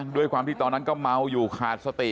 ด้วยความที่ตอนนั้นก็เมาอยู่ขาดสติ